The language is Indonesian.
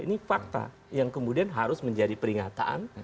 ini fakta yang kemudian harus menjadi peringatan